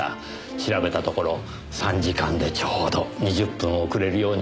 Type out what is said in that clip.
調べたところ３時間でちょうど２０分遅れるようになっていました。